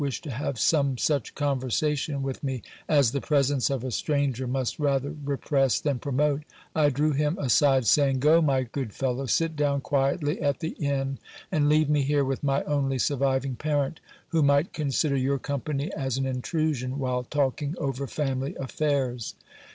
h to have some such conversation with me, as the presence of a stranger mist rather repress than promote, I drew him aside, saying, Go, my good feliow, sit down quietly at the inn, and leave me here with my only surviving pa:ent, who might consider your company as an intrusion, while talking over family affairs.